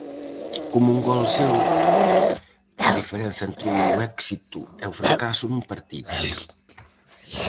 Como un gol seu, a diferenza entre o éxito e o fracaso nun partido.